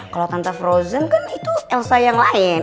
kalau tante filozin kan itu elsa yang lain